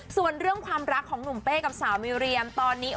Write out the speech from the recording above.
ส่วนเรื่องความรักของหนุ่มเป้กับสาวมิเรียมตอนนี้